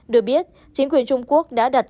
được biết chính quyền trung quốc đã đặt